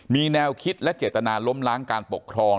มีแนวคิดและเจตนาล้มล้างการปกครอง